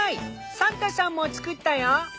サンタさんも作ったよ！